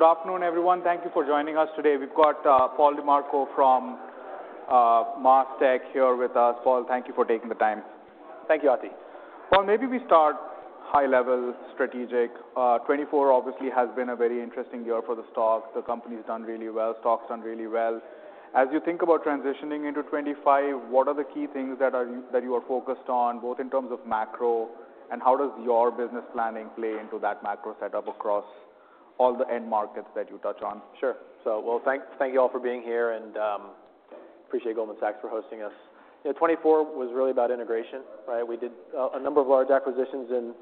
Good afternoon, everyone. Thank you for joining us today. We've got Paul DiMarco from MasTec here with us. Paul, thank you for taking the time. Thank you, Ati. Paul, maybe we start high-level strategic. 2024 obviously has been a very interesting year for the stock. The company's done really well. Stock's done really well. As you think about transitioning into 2025, what are the key things that you are focused on, both in terms of macro, and how does your business planning play into that macro setup across all the end markets that you touch on? Sure. Well, thank you all for being here, and I appreciate Goldman Sachs for hosting us. 2024 was really about integration, right? We did a number of large acquisitions in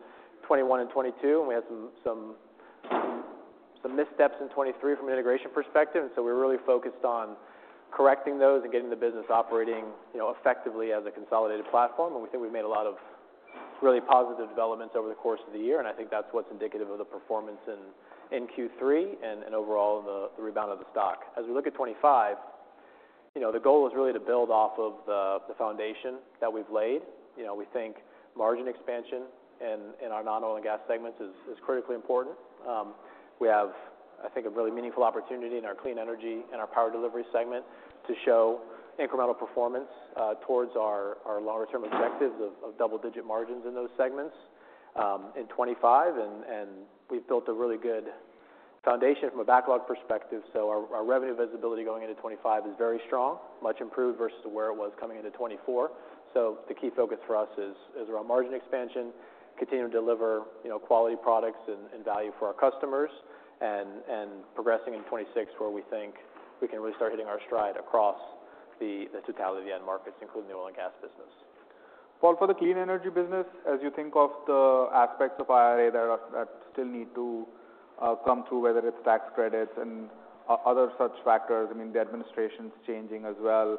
2021 and 2022, and we had some missteps in 2023 from an integration perspective, and so we're really focused on correcting those and getting the business operating effectively as a consolidated platform. And we think we've made a lot of really positive developments over the course of the year. And I think that's what's indicative of the performance in Q3 and overall the rebound of the stock. As we look at 2025, the goal is really to build off of the foundation that we've laid. We think margin expansion in our non-oil and gas segments is critically important. We have, I think, a really meaningful opportunity in our clean energy and our power delivery segment to show incremental performance towards our longer-term objectives of double-digit margins in those segments in 2025. And we've built a really good foundation from a backlog perspective. So our revenue visibility going into 2025 is very strong, much improved versus where it was coming into 2024. So the key focus for us is around margin expansion, continuing to deliver quality products and value for our customers, and progressing in 2026 where we think we can really start hitting our stride across the totality of the end markets, including the oil and gas business. Paul, for the clean energy business, as you think of the aspects of IRA that still need to come through, whether it's tax credits and other such factors, I mean, the administration's changing as well.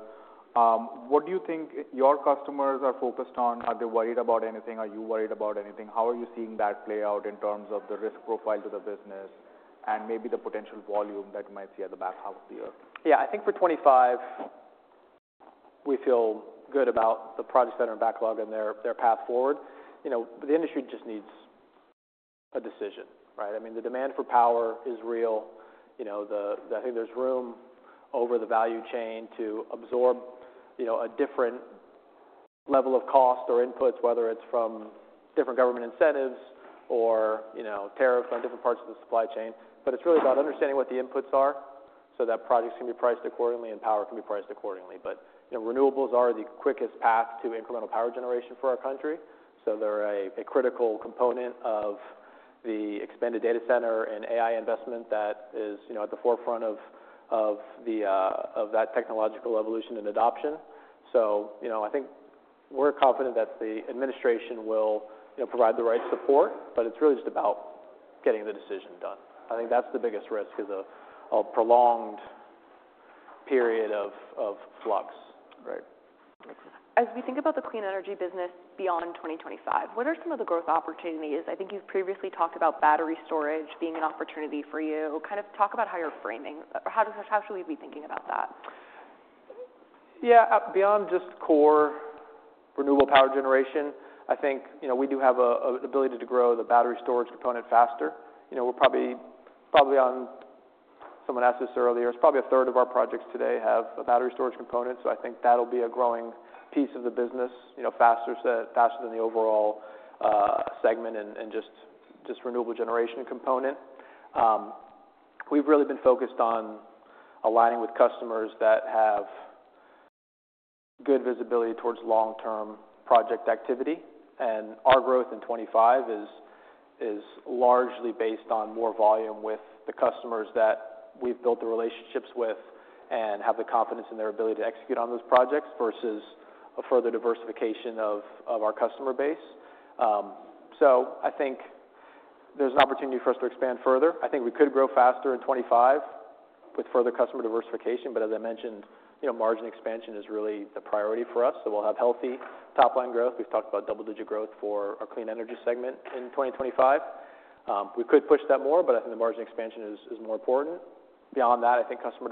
What do you think your customers are focused on? Are they worried about anything? Are you worried about anything? How are you seeing that play out in terms of the risk profile to the business and maybe the potential volume that you might see at the back half of the year? Yeah, I think for 2025, we feel good about the projects that are in backlog and their path forward. The industry just needs a decision, right? I mean, the demand for power is real. I think there's room over the value chain to absorb a different level of cost or inputs, whether it's from different government incentives or tariffs on different parts of the supply chain. But it's really about understanding what the inputs are so that projects can be priced accordingly and power can be priced accordingly. But renewables are the quickest path to incremental power generation for our country. So they're a critical component of the expanded data center and AI investment that is at the forefront of that technological evolution and adoption. So I think we're confident that the administration will provide the right support, but it's really just about getting the decision done. I think that's the biggest risk: a prolonged period of flux. Right. As we think about the clean energy business beyond 2025, what are some of the growth opportunities? I think you've previously talked about battery storage being an opportunity for you. Kind of talk about how you're framing. How should we be thinking about that? Yeah, beyond just core renewable power generation, I think we do have an ability to grow the battery storage component faster. We're probably. On, someone asked this earlier. It's probably a third of our projects today have a battery storage component. So I think that'll be a growing piece of the business faster than the overall segment and just renewable generation component. We've really been focused on aligning with customers that have good visibility towards long-term project activity, and our growth in 2025 is largely based on more volume with the customers that we've built the relationships with and have the confidence in their ability to execute on those projects versus a further diversification of our customer base, so I think there's an opportunity for us to expand further. I think we could grow faster in 2025 with further customer diversification. But as I mentioned, margin expansion is really the priority for us. So we'll have healthy top-line growth. We've talked about double-digit growth for our clean energy segment in 2025. We could push that more, but I think the margin expansion is more important. Beyond that, I think customer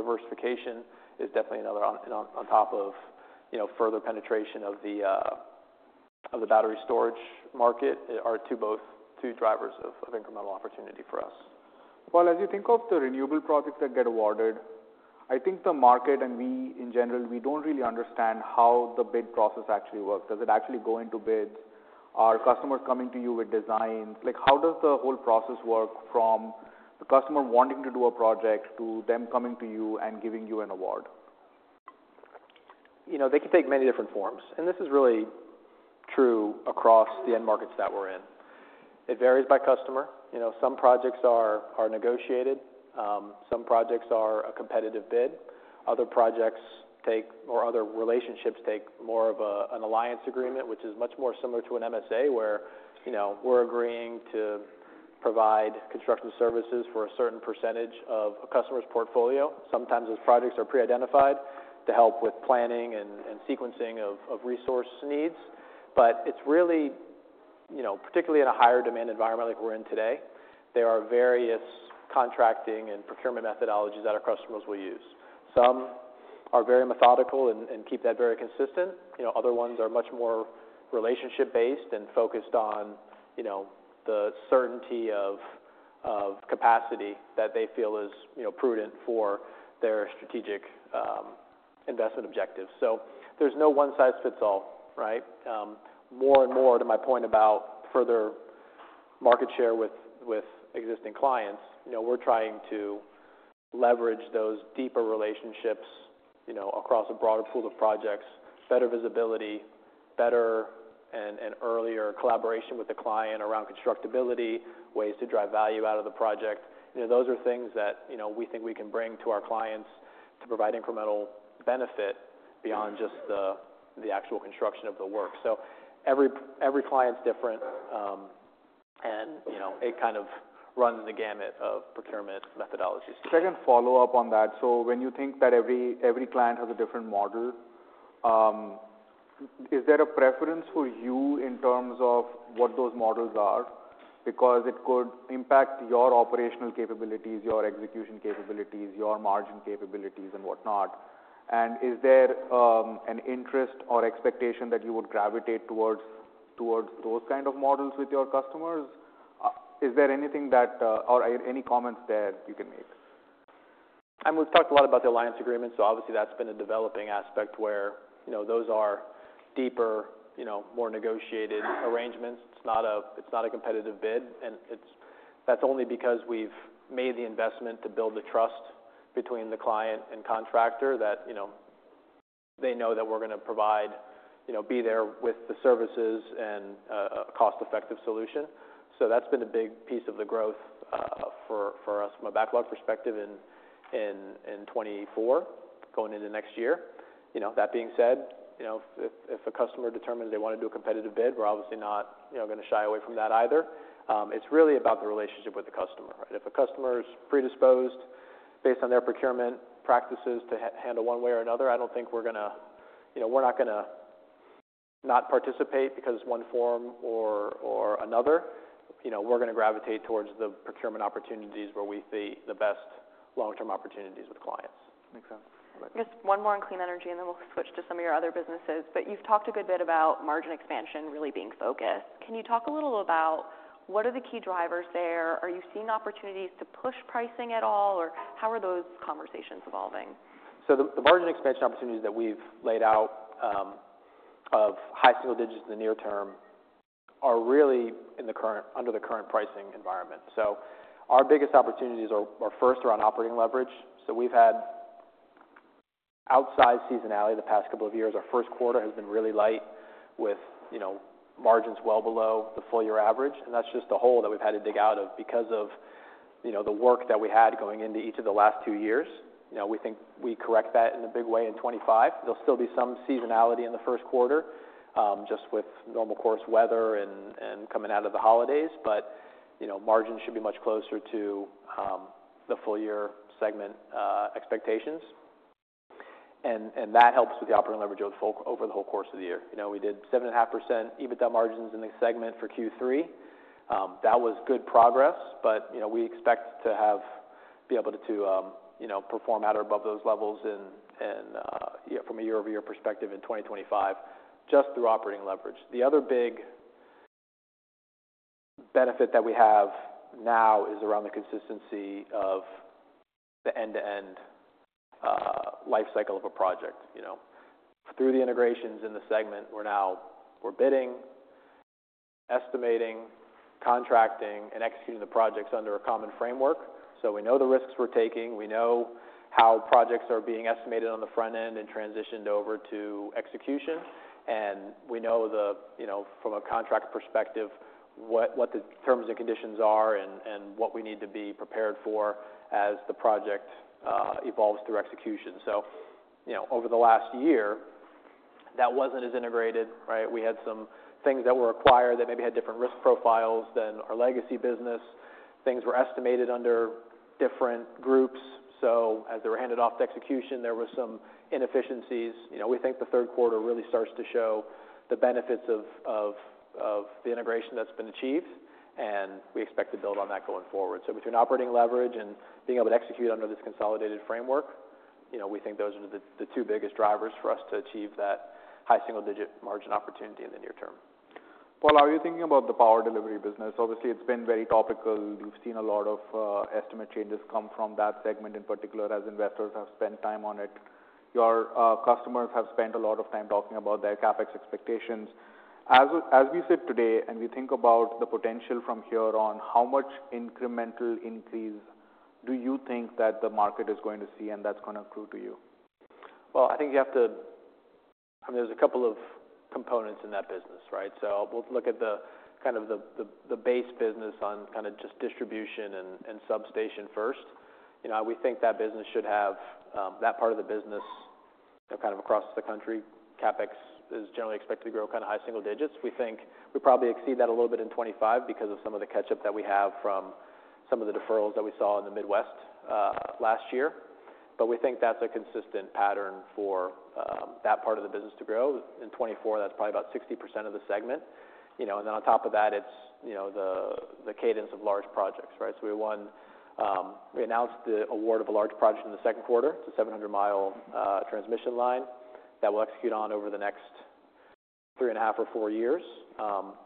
diversification is definitely another on top of further penetration of the battery storage market are two drivers of incremental opportunity for us. Paul, as you think of the renewable projects that get awarded, I think the market and we, in general, we don't really understand how the bid process actually works. Does it actually go into bids? Are customers coming to you with designs? How does the whole process work from the customer wanting to do a project to them coming to you and giving you an award? They can take many different forms. And this is really true across the end markets that we're in. It varies by customer. Some projects are negotiated. Some projects are a competitive bid. Other projects or other relationships take more of an alliance agreement, which is much more similar to an MSA where we're agreeing to provide construction services for a certain percentage of a customer's portfolio. Sometimes those projects are pre-identified to help with planning and sequencing of resource needs. But it's really, particularly in a higher-demand environment like we're in today, there are various contracting and procurement methodologies that our customers will use. Some are very methodical and keep that very consistent. Other ones are much more relationship-based and focused on the certainty of capacity that they feel is prudent for their strategic investment objectives. So there's no one-size-fits-all, right? More and more to my point about further market share with existing clients, we're trying to leverage those deeper relationships across a broader pool of projects, better visibility, better and earlier collaboration with the client around constructability, ways to drive value out of the project. Those are things that we think we can bring to our clients to provide incremental benefit beyond just the actual construction of the work. So every client's different, and it kind of runs the gamut of procurement methodologies. Second follow-up on that. So when you think that every client has a different model, is there a preference for you in terms of what those models are? Because it could impact your operational capabilities, your execution capabilities, your margin capabilities, and whatnot. And is there an interest or expectation that you would gravitate towards those kinds of models with your customers? Is there anything or any comments there you can make? I mean, we've talked a lot about the alliance agreement. So obviously, that's been a developing aspect where those are deeper, more negotiated arrangements. It's not a competitive bid. And that's only because we've made the investment to build the trust between the client and contractor that they know that we're going to provide, be there with the services and a cost-effective solution. So that's been a big piece of the growth for us from a backlog perspective in 2024, going into next year. That being said, if a customer determines they want to do a competitive bid, we're obviously not going to shy away from that either. It's really about the relationship with the customer, right? If a customer is predisposed based on their procurement practices to handle one way or another, I don't think we're not going to not participate because one form or another. We're going to gravitate towards the procurement opportunities where we see the best long-term opportunities with clients. Makes sense. Just one more on clean energy, and then we'll switch to some of your other businesses, but you've talked a good bit about margin expansion really being focused. Can you talk a little about what are the key drivers there? Are you seeing opportunities to push pricing at all, or how are those conversations evolving? So the margin expansion opportunities that we've laid out of high single digits in the near term are really under the current pricing environment. So our biggest opportunities are first around operating leverage. So we've had outsized seasonality the past couple of years. Our first quarter has been really light with margins well below the full-year average. And that's just a hole that we've had to dig out of because of the work that we had going into each of the last two years. We think we correct that in a big way in 2025. There'll still be some seasonality in the first quarter just with normal course weather and coming out of the holidays. But margins should be much closer to the full-year segment expectations. And that helps with the operating leverage over the whole course of the year. We did 7.5% EBITDA margins in the segment for Q3. That was good progress, but we expect to be able to perform at or above those levels from a year-over-year perspective in 2025 just through operating leverage. The other big benefit that we have now is around the consistency of the end-to-end life cycle of a project. Through the integrations in the segment, we're now bidding, estimating, contracting, and executing the projects under a common framework. So we know the risks we're taking. We know how projects are being estimated on the front end and transitioned over to execution. And we know from a contract perspective what the terms and conditions are and what we need to be prepared for as the project evolves through execution. So over the last year, that wasn't as integrated, right? We had some things that were acquired that maybe had different risk profiles than our legacy business. Things were estimated under different groups. So as they were handed off to execution, there were some inefficiencies. We think the third quarter really starts to show the benefits of the integration that's been achieved, and we expect to build on that going forward. So between operating leverage and being able to execute under this consolidated framework, we think those are the two biggest drivers for us to achieve that high single-digit margin opportunity in the near term. Paul, how are you thinking about the power delivery business? Obviously, it's been very topical. We've seen a lot of estimate changes come from that segment in particular as investors have spent a lot of time on it. Your customers have spent a lot of time talking about their CapEx expectations. As we sit today and we think about the potential from here on, how much incremental increase do you think that the market is going to see and that's going to accrue to you? I think you have to. I mean, there's a couple of components in that business, right? So we'll look at kind of the base business on kind of just distribution and substation first. We think that business should have that part of the business kind of across the country. CapEx is generally expected to grow kind of high single digits. We think we probably exceed that a little bit in 2025 because of some of the catch-up that we have from some of the deferrals that we saw in the Midwest last year. But we think that's a consistent pattern for that part of the business to grow. In 2024, that's probably about 60% of the segment. And then on top of that, it's the cadence of large projects, right? So we announced the award of a large project in the second quarter. It's a 700-mile transmission line that we'll execute on over the next three and a half or four years.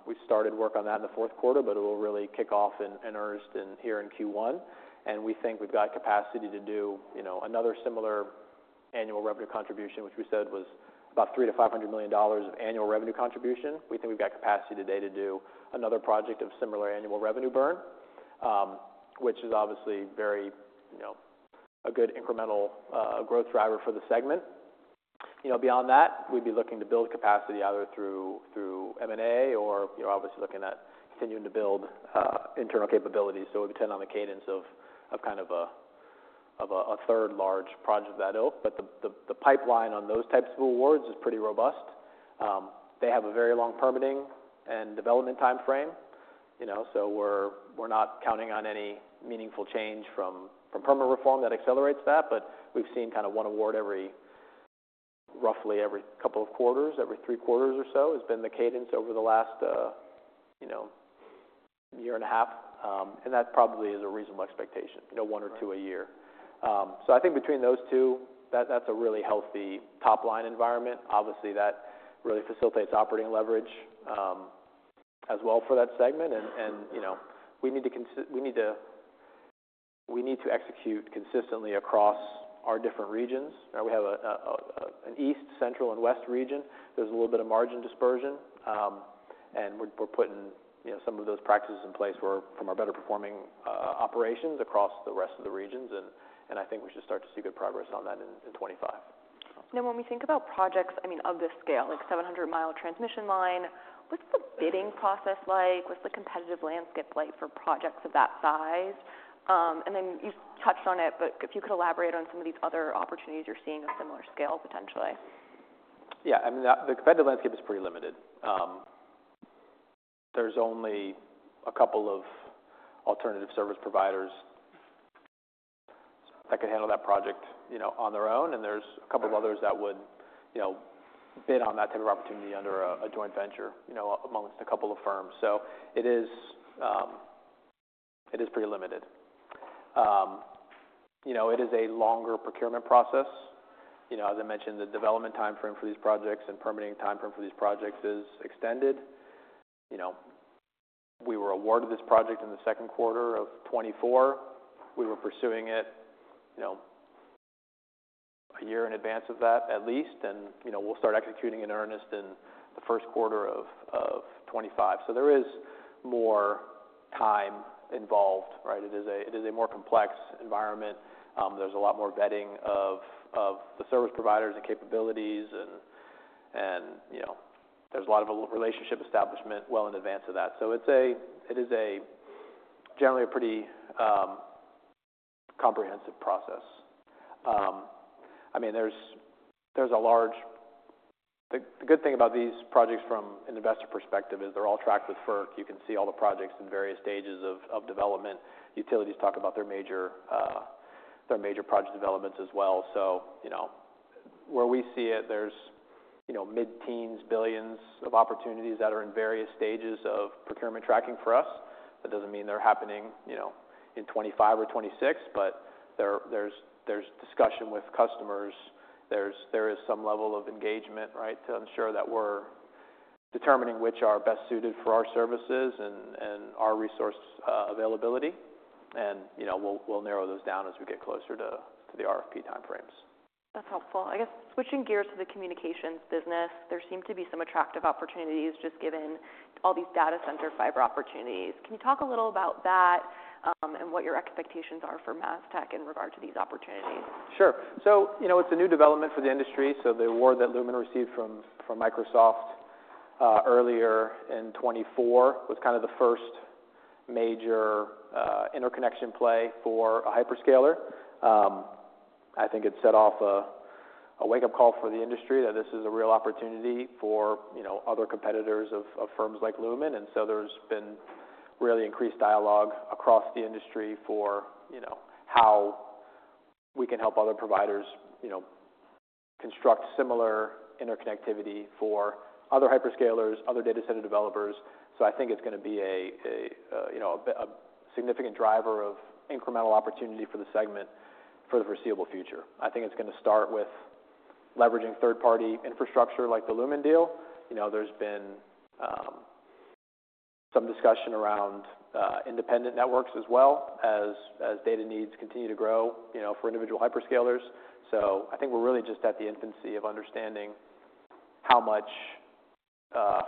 We started work on that in the fourth quarter, but it will really kick off in earnest here in Q1, and we think we've got capacity to do another similar annual revenue contribution, which we said was about $300-$500 million of annual revenue contribution. We think we've got capacity today to do another project of similar annual revenue burn, which is obviously a good incremental growth driver for the segment. Beyond that, we'd be looking to build capacity either through M&A or obviously looking at continuing to build internal capabilities, so we would depend on the cadence of kind of a third large project of that size. But the pipeline on those types of awards is pretty robust. They have a very long permitting and development time frame. We're not counting on any meaningful change from permit reform that accelerates that. But we've seen kind of one award roughly every couple of quarters, every three quarters or so has been the cadence over the last year and a half. And that probably is a reasonable expectation, one or two a year. So I think between those two, that's a really healthy top-line environment. Obviously, that really facilitates operating leverage as well for that segment. And we need to execute consistently across our different regions. We have an east, central, and west region. There's a little bit of margin dispersion. And we're putting some of those practices in place from our better-performing operations across the rest of the regions. And I think we should start to see good progress on that in 2025. Now, when we think about projects, I mean, of this scale, like 700 mi transmission line, what's the bidding process like? What's the competitive landscape like for projects of that size? And then you touched on it, but if you could elaborate on some of these other opportunities you're seeing of similar scale, potentially. Yeah. I mean, the competitive landscape is pretty limited. There's only a couple of alternative service providers that could handle that project on their own. And there's a couple of others that would bid on that type of opportunity under a joint venture amongst a couple of firms. So it is pretty limited. It is a longer procurement process. As I mentioned, the development time frame for these projects and permitting time frame for these projects is extended. We were awarded this project in the second quarter of 2024. We were pursuing it a year in advance of that, at least. And we'll start executing in earnest in the first quarter of 2025. So there is more time involved, right? It is a more complex environment. There's a lot more vetting of the service providers and capabilities. And there's a lot of relationship establishment well in advance of that. It is generally a pretty comprehensive process. I mean, the good thing about these projects from an investor perspective is they're all tracked with FERC. You can see all the projects in various stages of development. Utilities talk about their major project developments as well. So where we see it, there's mid-teens billions of opportunities that are in various stages of procurement tracking for us. That doesn't mean they're happening in 2025 or 2026, but there's discussion with customers. There is some level of engagement, right, to ensure that we're determining which are best suited for our services and our resource availability. We'll narrow those down as we get closer to the RFP time frames. That's helpful. I guess switching gears to the communications business, there seem to be some attractive opportunities just given all these data center fiber opportunities. Can you talk a little about that and what your expectations are for MasTec in regard to these opportunities? Sure. So it's a new development for the industry. So the award that Lumen received from Microsoft earlier in 2024 was kind of the first major interconnection play for a hyperscaler. I think it set off a wake-up call for the industry that this is a real opportunity for other competitors of firms like Lumen. And so there's been really increased dialogue across the industry for how we can help other providers construct similar interconnectivity for other hyperscalers, other data center developers. So I think it's going to be a significant driver of incremental opportunity for the segment for the foreseeable future. I think it's going to start with leveraging third-party infrastructure like the Lumen deal. There's been some discussion around independent networks as well as data needs continue to grow for individual hyperscalers. So I think we're really just at the infancy of understanding how much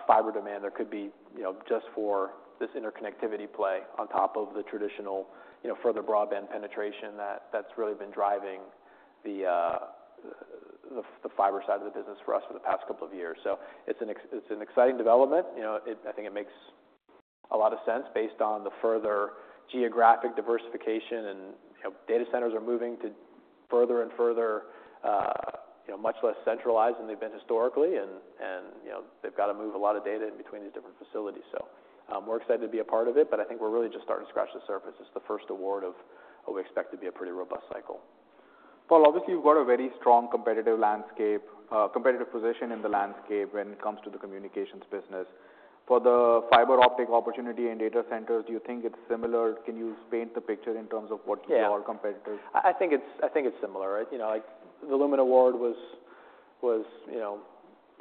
fiber demand there could be just for this interconnectivity play on top of the traditional fiber broadband penetration that's really been driving the fiber side of the business for us for the past couple of years. So it's an exciting development. I think it makes a lot of sense based on the fiber geographic diversification. And data centers are moving to further and further, much less centralized than they've been historically. And they've got to move a lot of data in between these different facilities. So we're excited to be a part of it, but I think we're really just starting to scratch the surface. It's the first award of what we expect to be a pretty robust cycle. Paul, obviously, you've got a very strong competitive position in the landscape when it comes to the communications business. For the fiber optic opportunity in data centers, do you think it's similar? Can you paint the picture in terms of what you are competitive? Yeah. I think it's similar, right? The Lumen award was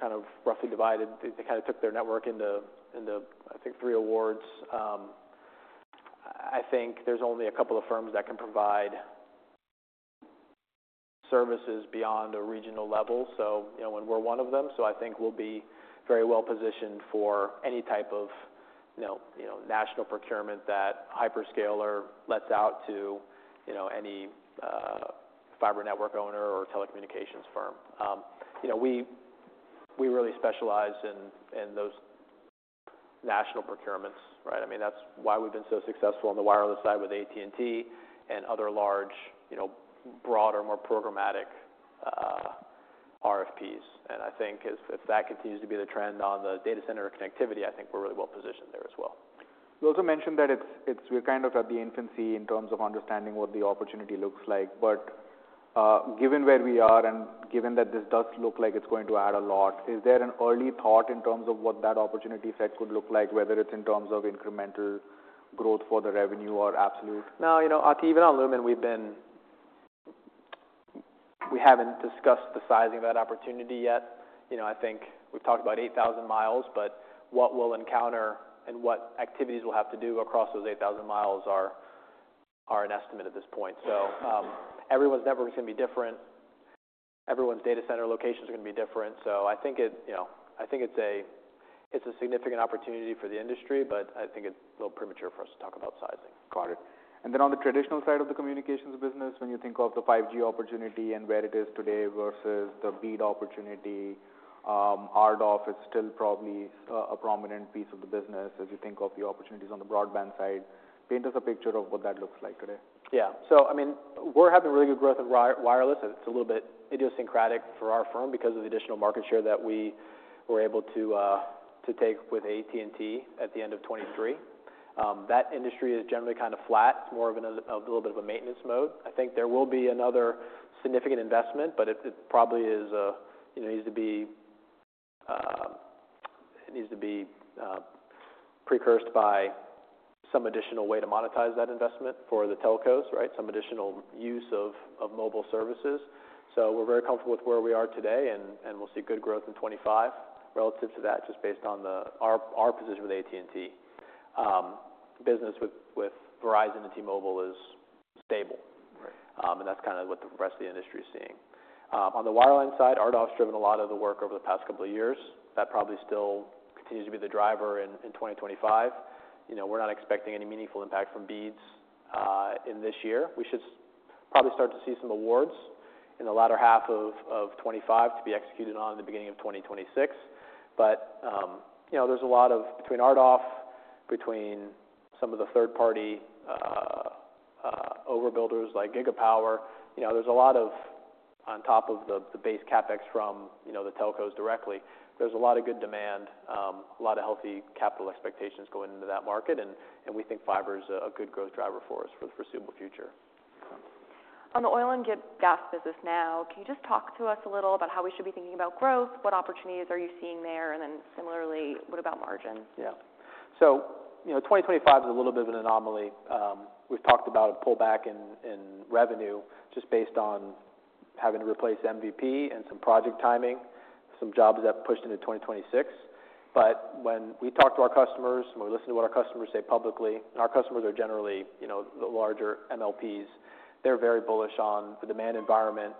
kind of roughly divided. They kind of took their network into, I think, three awards. I think there's only a couple of firms that can provide services beyond a regional level, so we're one of them, so I think we'll be very well positioned for any type of national procurement that Hyperscaler lets out to any fiber network owner or telecommunications firm. We really specialize in those national procurements, right? I mean, that's why we've been so successful on the wireless side with AT&T and other large, broader, more programmatic RFPs, and I think if that continues to be the trend on the data center connectivity, I think we're really well positioned there as well. You also mentioned that we're kind of at the infancy in terms of understanding what the opportunity looks like, but given where we are and given that this does look like it's going to add a lot, is there an early thought in terms of what that opportunity set could look like, whether it's in terms of incremental growth for the revenue or absolute? No, Ati, even on Lumen, we haven't discussed the sizing of that opportunity yet. I think we've talked about 8,000 miles, but what we'll encounter and what activities we'll have to do across those 8,000 miles are an estimate at this point. So everyone's network is going to be different. Everyone's data center locations are going to be different. So I think it's a significant opportunity for the industry, but I think it's a little premature for us to talk about sizing. Got it. And then on the traditional side of the communications business, when you think of the 5G opportunity and where it is today versus the BEAD opportunity, RDOF is still probably a prominent piece of the business as you think of the opportunities on the broadband side. Paint us a picture of what that looks like today. Yeah. So I mean, we're having really good growth in wireless. It's a little bit idiosyncratic for our firm because of the additional market share that we were able to take with AT&T at the end of 2023. That industry is generally kind of flat. It's more of a little bit of a maintenance mode. I think there will be another significant investment, but it probably needs to be preceded by some additional way to monetize that investment for the telcos, right? Some additional use of mobile services. So we're very comfortable with where we are today, and we'll see good growth in 2025 relative to that just based on our position with AT&T. Business with Verizon and T-Mobile is stable. And that's kind of what the rest of the industry is seeing. On the wireline side, RDOF has driven a lot of the work over the past couple of years. That probably still continues to be the driver in 2025. We're not expecting any meaningful impact from BEAD in this year. We should probably start to see some awards in the latter half of 2025 to be executed on in the beginning of 2026. But there's a lot of, between RDOF, between some of the third-party overbuilders like Gigapower, there's a lot of. On top of the base CapEx from the telcos directly, there's a lot of good demand, a lot of healthy capital expectations going into that market. We think fiber is a good growth driver for us for the foreseeable future. On the oil and gas business now, can you just talk to us a little about how we should be thinking about growth? What opportunities are you seeing there? And then similarly, what about margins? Yeah, so 2025 is a little bit of an anomaly. We've talked about a pullback in revenue just based on having to replace MVP and some project timing, some jobs that pushed into 2026, but when we talk to our customers and we listen to what our customers say publicly, and our customers are generally the larger MLPs, they're very bullish on the demand environment,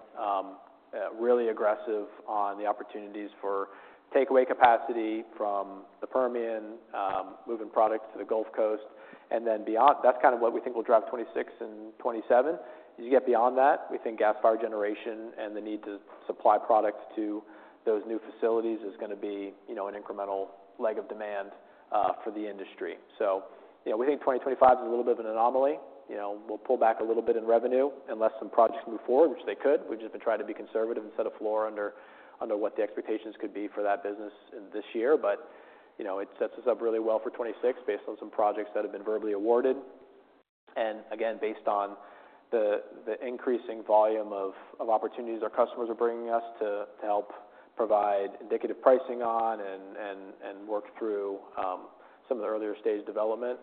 really aggressive on the opportunities for takeaway capacity from the Permian, moving product to the Gulf Coast, and then beyond, that's kind of what we think will drive 2026 and 2027. As you get beyond that, we think gas-fired generation and the need to supply product to those new facilities is going to be an incremental leg of demand for the industry, so we think 2025 is a little bit of an anomaly. We'll pull back a little bit in revenue unless some projects move forward, which they could. We've just been trying to be conservative and set a floor under what the expectations could be for that business this year, but it sets us up really well for 2026 based on some projects that have been verbally awarded, and again, based on the increasing volume of opportunities our customers are bringing us to help provide indicative pricing on and work through some of the earlier stage development,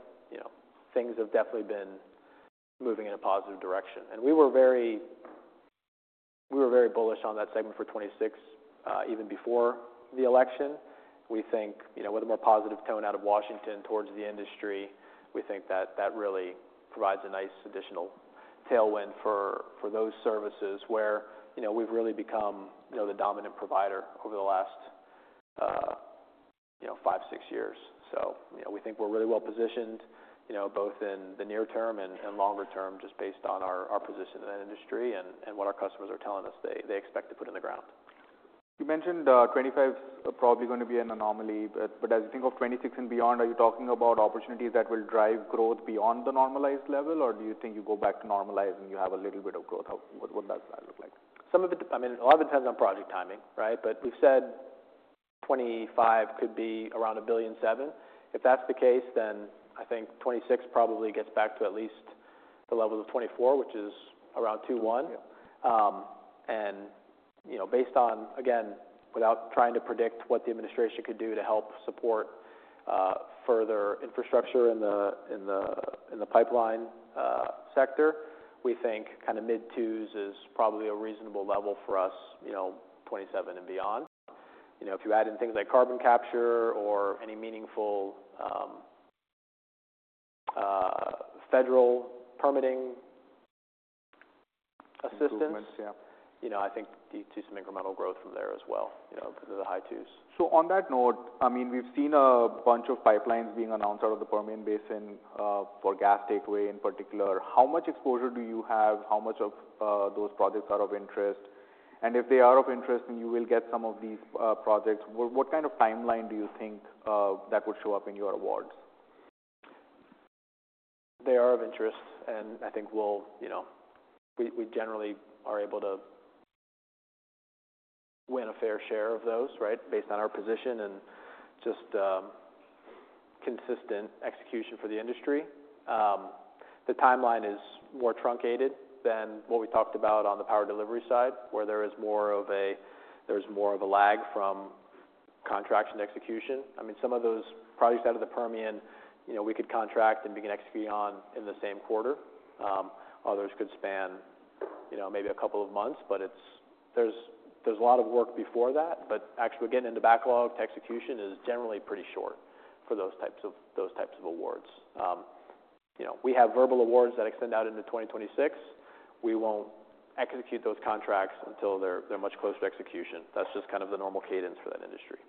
things have definitely been moving in a positive direction, and we were very bullish on that segment for 2026, even before the election. We think with a more positive tone out of Washington towards the industry, we think that that really provides a nice additional tailwind for those services where we've really become the dominant provider over the last five, six years. So we think we're really well positioned both in the near term and longer term just based on our position in that industry and what our customers are telling us they expect to put in the ground. You mentioned 2025 is probably going to be an anomaly, but as you think of 2026 and beyond, are you talking about opportunities that will drive growth beyond the normalized level, or do you think you go back to normalize and you have a little bit of growth? What does that look like? I mean, a lot of it depends on project timing, right, but we've said 2025 could be around $1.7 billion. If that's the case, then I think 2026 probably gets back to at least the level of 2024, which is around $2.1 billion, and based on, again, without trying to predict what the administration could do to help support further infrastructure in the pipeline sector, we think kind of mid-2's is probably a reasonable level for us, 2027 and beyond. If you add in things like carbon capture or any meaningful federal permitting assistance, I think you'd see some incremental growth from there as well. The high 2's. So on that note, I mean, we've seen a bunch of pipelines being announced out of the Permian Basin for gas takeaway in particular. How much exposure do you have? How much of those projects are of interest? And if they are of interest, then you will get some of these projects. What kind of timeline do you think that would show up in your awards? They are of interest. I think we generally are able to win a fair share of those, right, based on our position and just consistent execution for the industry. The timeline is more truncated than what we talked about on the power delivery side, where there is more of a lag from construction execution. I mean, some of those projects out of the Permian, we could contract and begin executing on in the same quarter. Others could span maybe a couple of months, but there's a lot of work before that, but actually, from backlog to execution is generally pretty short for those types of awards. We have verbal awards that extend out into 2026. We won't execute those contracts until they're much closer to execution. That's just kind of the normal cadence for that industry.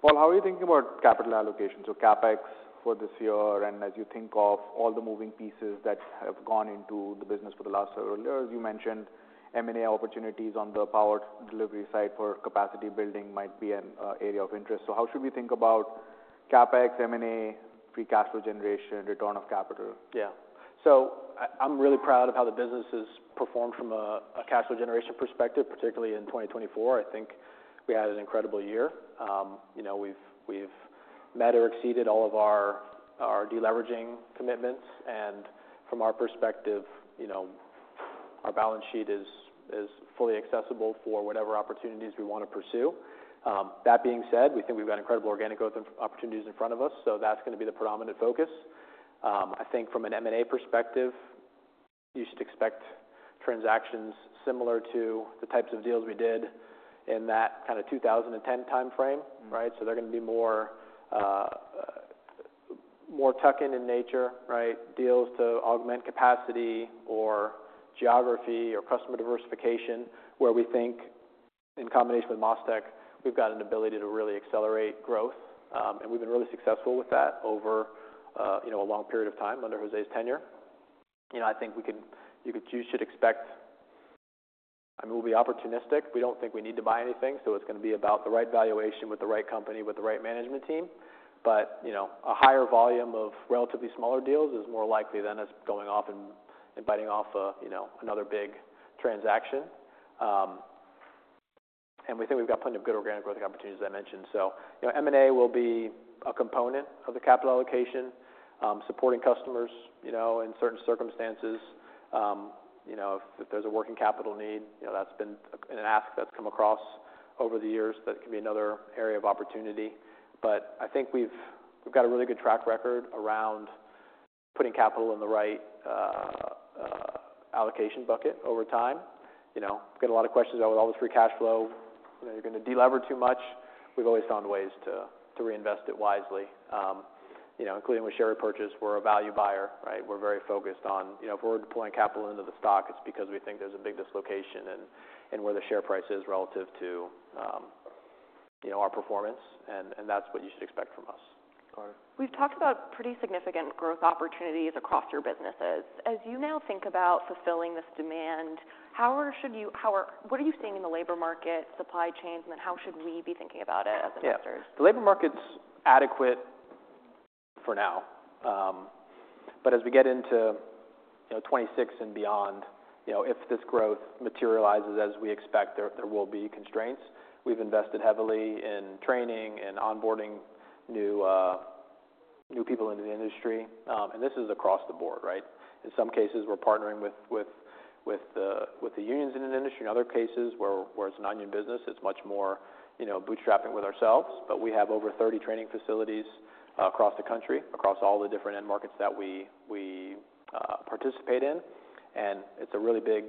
Paul, how are you thinking about capital allocations or CapEx for this year? And as you think of all the moving pieces that have gone into the business for the last several years, you mentioned M&A opportunities on the power delivery side for capacity building might be an area of interest. So how should we think about CapEx, M&A, free cash flow generation, return of capital? Yeah. So I'm really proud of how the business has performed from a cash flow generation perspective, particularly in 2024. I think we had an incredible year. We've met or exceeded all of our deleveraging commitments, and from our perspective, our balance sheet is fully accessible for whatever opportunities we want to pursue. That being said, we think we've got incredible organic growth opportunities in front of us, so that's going to be the predominant focus. I think from an M&A perspective, you should expect transactions similar to the types of deals we did in that kind of 2010 timeframe, right? So they're going to be more tuck-in in nature, right? Deals to augment capacity or geography or customer diversification where we think in combination with MasTec, we've got an ability to really accelerate growth. We've been really successful with that over a long period of time under José's tenure. I think you should expect, I mean, we'll be opportunistic. We don't think we need to buy anything. So it's going to be about the right valuation with the right company with the right management team. But a higher volume of relatively smaller deals is more likely than us going off and biting off another big transaction. And we think we've got plenty of good organic growth opportunities, as I mentioned. So M&A will be a component of the capital allocation, supporting customers in certain circumstances. If there's a working capital need, that's been an ask that's come across over the years that can be another area of opportunity. But I think we've got a really good track record around putting capital in the right allocation bucket over time. We've got a lot of questions about, with all this free cash flow, you're going to delever too much. We've always found ways to reinvest it wisely, including with share purchase. We're a value buyer, right? We're very focused on if we're deploying capital into the stock, it's because we think there's a big dislocation in where the share price is relative to our performance. And that's what you should expect from us. Got it. We've talked about pretty significant growth opportunities across your businesses. As you now think about fulfilling this demand, what are you seeing in the labor market, supply chains, and then how should we be thinking about it as investors? Yeah. The labor market's adequate for now. But as we get into 2026 and beyond, if this growth materializes as we expect, there will be constraints. We've invested heavily in training and onboarding new people into the industry. And this is across the board, right? In some cases, we're partnering with the unions in the industry. In other cases, where it's a union business, it's much more bootstrapping with ourselves. But we have over 30 training facilities across the country, across all the different end markets that we participate in. And it's a really big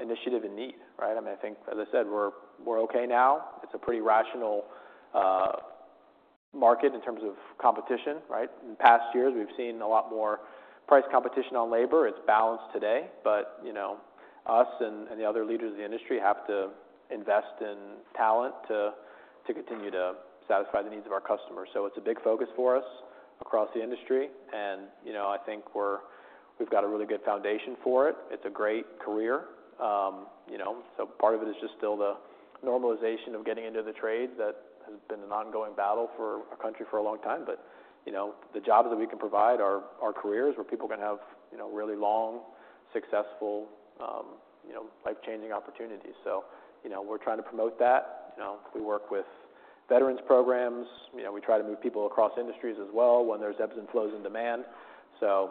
initiative and need, right? I mean, I think, as I said, we're okay now. It's a pretty rational market in terms of competition, right? In past years, we've seen a lot more price competition on labor. It's balanced today. Us and the other leaders of the industry have to invest in talent to continue to satisfy the needs of our customers. It's a big focus for us across the industry. I think we've got a really good foundation for it. It's a great career. Part of it is just still the normalization of getting into the trade that has been an ongoing battle for our country for a long time. The jobs that we can provide are careers where people can have really long, successful, life-changing opportunities. We're trying to promote that. We work with veterans programs. We try to move people across industries as well when there's ebbs and flows in demand. So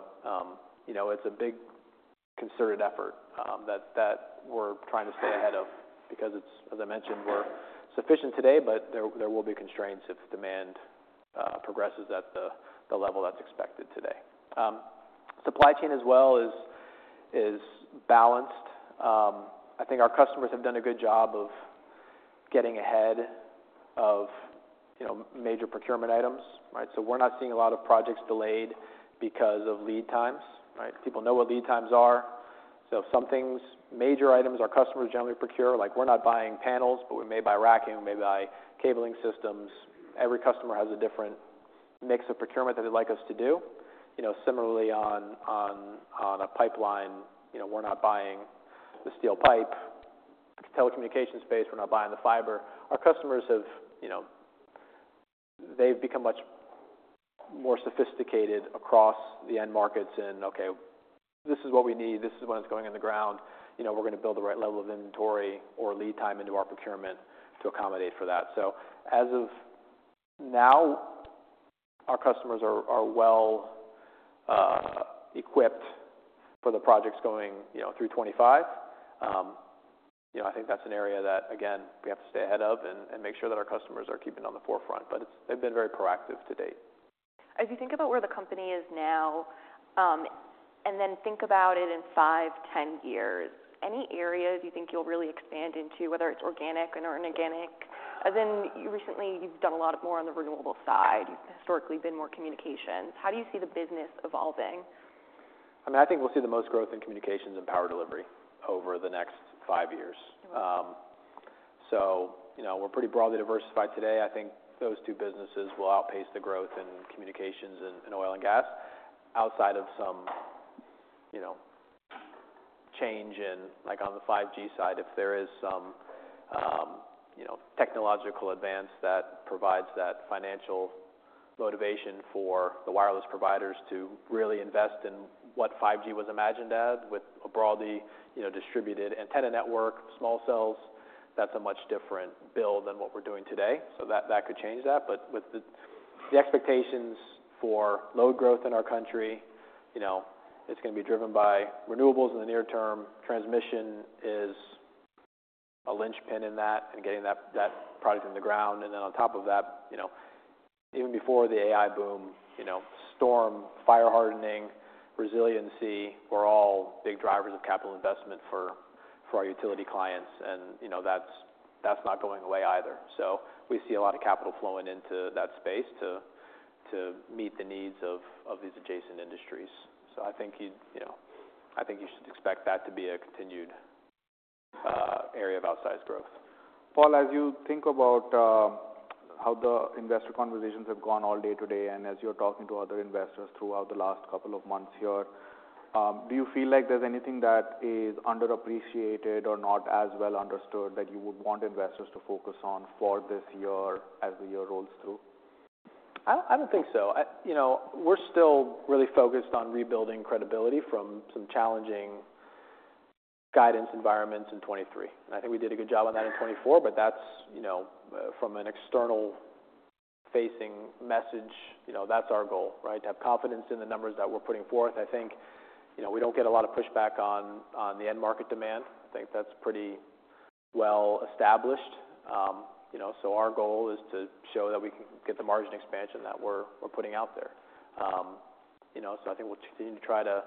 it's a big concerted effort that we're trying to stay ahead of because, as I mentioned, we're sufficient today, but there will be constraints if demand progresses at the level that's expected today. Supply chain as well is balanced. I think our customers have done a good job of getting ahead of major procurement items, right? So we're not seeing a lot of projects delayed because of lead times, right? People know what lead times are. So some things, major items our customers generally procure, like we're not buying panels, but we may buy racking, we may buy cabling systems. Every customer has a different mix of procurement that they'd like us to do. Similarly, on a pipeline, we're not buying the steel pipe. It's a telecommunications space. We're not buying the fiber. Our customers, they've become much more sophisticated across the end markets in, "Okay, this is what we need. This is what's going in the ground. We're going to build the right level of inventory or lead time into our procurement to accommodate for that." So as of now, our customers are well-equipped for the projects going through 2025. I think that's an area that, again, we have to stay ahead of and make sure that our customers are keeping on the forefront. But they've been very proactive to date. As you think about where the company is now and then think about it in five, 10 years, any areas you think you'll really expand into, whether it's organic or inorganic? As in, recently, you've done a lot more on the renewable side. You've historically been more communications. How do you see the business evolving? I mean, I think we'll see the most growth in communications and power delivery over the next five years. So we're pretty broadly diversified today. I think those two businesses will outpace the growth in communications and oil and gas outside of some change in, like on the 5G side, if there is some technological advance that provides that financial motivation for the wireless providers to really invest in what 5G was imagined as with a broadly distributed antenna network, small cells. That's a much different build than what we're doing today. So that could change that. But with the expectations for load growth in our country, it's going to be driven by renewables in the near term. Transmission is a linchpin in that and getting that product in the ground. And then on top of that, even before the AI boom, storm, fire hardening, resiliency were all big drivers of capital investment for our utility clients. And that's not going away either. So we see a lot of capital flowing into that space to meet the needs of these adjacent industries. So I think you should expect that to be a continued area of outsized growth. Paul, as you think about how the investor conversations have gone all day today and as you're talking to other investors throughout the last couple of months here, do you feel like there's anything that is underappreciated or not as well understood that you would want investors to focus on for this year as the year rolls through? I don't think so. We're still really focused on rebuilding credibility from some challenging guidance environments in 2023, and I think we did a good job on that in 2024, but that's from an external-facing message. That's our goal, right? To have confidence in the numbers that we're putting forth. I think we don't get a lot of pushback on the end market demand. I think that's pretty well established, so our goal is to show that we can get the margin expansion that we're putting out there, so I think we'll continue to try to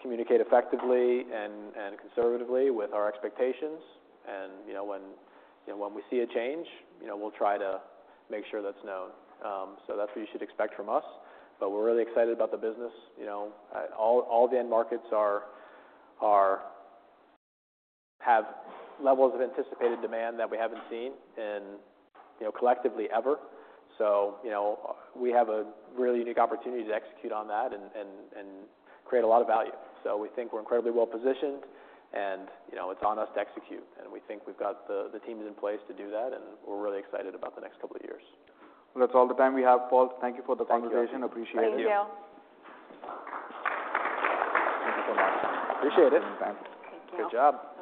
communicate effectively and conservatively with our expectations, and when we see a change, we'll try to make sure that's known, so that's what you should expect from us, but we're really excited about the business. All the end markets have levels of anticipated demand that we haven't seen collectively ever. So we have a really unique opportunity to execute on that and create a lot of value. So we think we're incredibly well positioned, and it's on us to execute. And we think we've got the teams in place to do that. And we're really excited about the next couple of years. That's all the time we have, Paul. Thank you for the conversation. Thank you. Appreciate it. Thank you. Thank you so much. Appreciate it. Thank you. Good job.